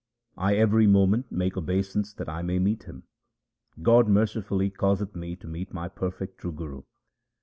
1 every moment make obeisance that I may meet him. God mercifully caused me to meet my perfect true Guru.